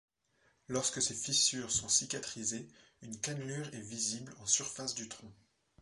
Lorsque ces fissures sont cicatrisées, une cannelure est visible en surface du tronc.